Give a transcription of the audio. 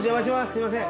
すみません。